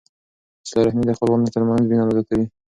صله رحمي د خپلوانو ترمنځ مینه زیاتوي.